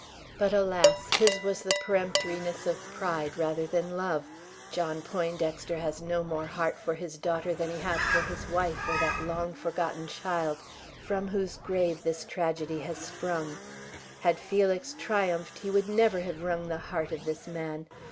But alas! His was the peremptoriness of pride rather than love. John Poindexter has no more heart for his daughter than he had for his wife or that long forgotten child from whose grave this tragedy has sprung. Had Felix triumphed he would never have wrung the heart of this man.